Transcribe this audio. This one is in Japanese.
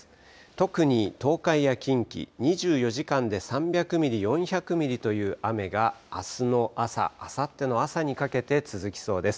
特に東海や近畿、２４時間で３００ミリ、４００ミリという雨があすの朝、あさっての朝にかけて続きそうです。